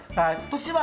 年は？